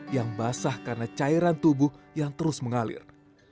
yang basah karena cairan tubuh yang terus mengalir